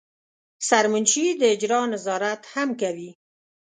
سرمنشي د اجرا نظارت هم کوي.